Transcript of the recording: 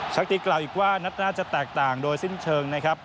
ชักตีกล่าวอีกว่านัดหน้าจะแตกต่างโดยสิ้นเชิงนะครับ